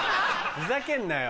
ふざけんなよ？